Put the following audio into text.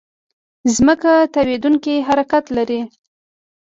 ځمکه تاوېدونکې حرکت لري.